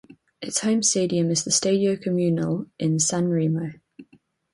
Its home stadium is the Stadio Comunale in Sanremo.